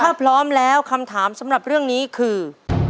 ถ้าพร้อมแล้วคำถามสำหรับเรื่องนี้คือ